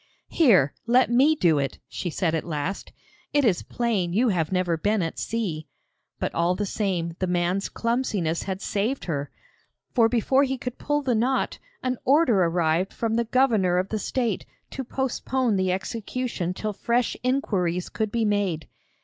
'Here, let me do it,' she said at last; 'it is plain you have never been at sea.' But all the same, the man's clumsiness had saved her, for before he could pull the knot, an order arrived from the Governor of the State to postpone the execution till fresh inquiries could be made.